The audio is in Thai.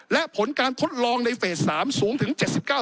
และผลการทดลองในเฟส๓สูงถึง๗๙